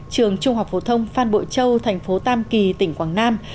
trường trung học phổ thông phan bội châu thành phố tam kỳ tỉnh quảng nam